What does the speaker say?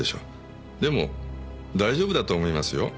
でも大丈夫だと思いますよ。